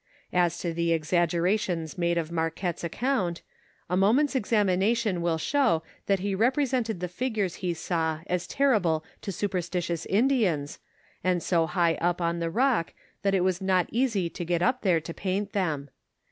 As to tho cxnirgcrntions made of Morquette's account, n moment's examination will show that he represented the figures he saw as terrible to superstitious Indians, and so high up on the rock that it was not easy to get up there to paint thorn.